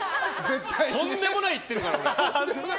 とんでもなく行ってるから俺ら。